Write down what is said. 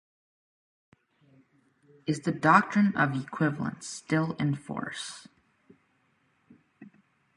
Is the doctrine of equivalents still in force?